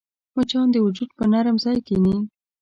مچان د وجود پر نرم ځای کښېني